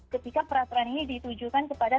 ketika peraturan ini ditujukan kepada